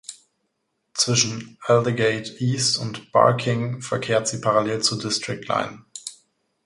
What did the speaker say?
Zwischen "Aldgate East" und "Barking" verkehrt sie parallel zur District Line.